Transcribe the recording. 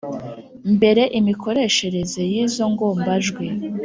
mbere imikoreshereze y’izo ngombajwi